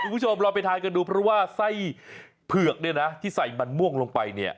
คุณผู้ชมรอไปทานกันดูเพราะว่าไส้เผือกที่ใส่มันม่วงลงไป